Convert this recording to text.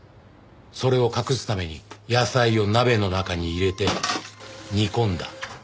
それを隠すために野菜を鍋の中に入れて煮込んだ。